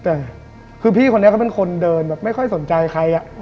แต่คือพี่คนนี้เขาเป็นคนเดินแบบไม่ค่อยสนใจใครอ่ะ